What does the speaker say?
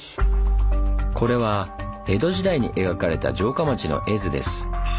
これは江戸時代に描かれた城下町の絵図です。